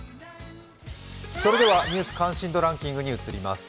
それでは、「ニュース関心度ランキング」に移ります。